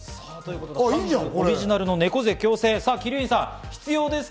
オリジナルの猫背矯正、鬼龍院さん、必要ですか？